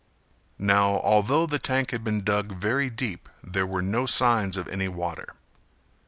Now although the tank had been dug very deep there were no signs of any water.